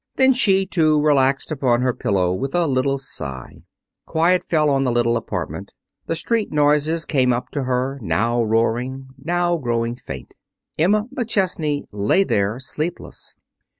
Then she, too, relaxed upon her pillow with a little sigh. Quiet fell on the little apartment. The street noises came up to her, now roaring, now growing faint. Emma McChesney lay there sleepless.